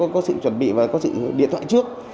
có sự chuẩn bị và có sự điện thoại trước